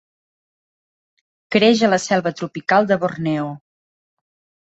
Creix a la selva tropical de Borneo.